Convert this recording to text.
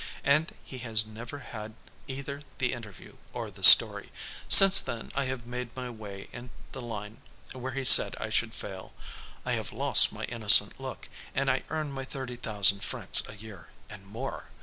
And he has never had either the interview or the story. Since then I have made my way in the line where he said I should fail. I have lost my innocent look and I earn my thirty thousand francs a year, and more.